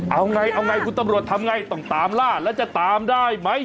เอาไงเอาไงคุณตำรวจทำไงต้องตามล่าแล้วจะตามได้ไหม